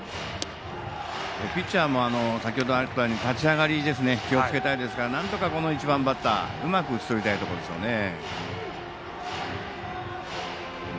ピッチャーも先程あったように立ち上がりを気をつけたいですからなんとか、この１番バッターはうまく打ち取りたいところですね。